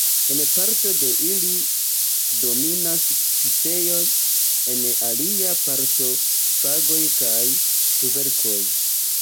En parto de ili dominas piceoj, en alia parto fagoj kaj kverkoj.